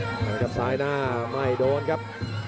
ลีระทรังลงตัวซ้ายหน้าไม่โดนครับ